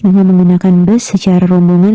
hanya menggunakan bus secara rombongan